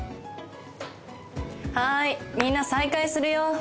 はーいみんな再開するよー